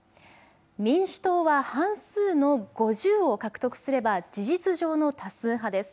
民主党は半数の５０を獲得すれば事実上の多数派です。